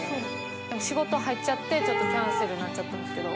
でも仕事入っちゃってちょっとキャンセルになっちゃったんですけど。